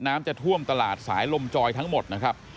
น้ำจะท่วมตลาดสายลมจอยทั้งหมดนะครับ